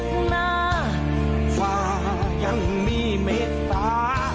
ฟ้ายังมีเมตตา